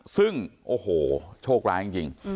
ซึ่งโอ้โหโชคร้ายจริง